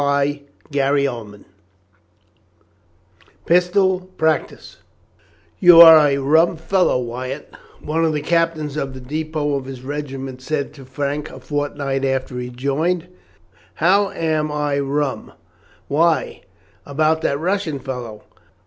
CHAPTER VIII PISTOL PRACTICE "You are a rum fellow, Wyatt," one of the captains of the depôt of his regiment said to Frank a fortnight after he joined. "How am I rum?" "Why, about that Russian fellow.